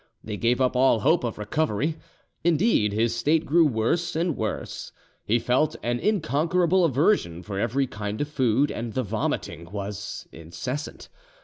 They gave up all hope of recovery. Indeed, his state grew worse and worse; he felt an unconquerable aversion for every kind of food, and the vomiting was incessant.